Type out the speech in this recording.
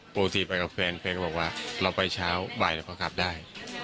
ปกติไปกับเพื่อนก็บอกว่าเราไปเช้าบ่ายแล้วก็กลับได้